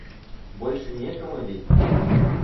Больше некому ведь?